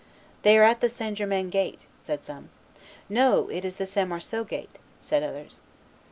"They are at the St. Germain gate," said some. No, it is the St. Marceau gate," said others.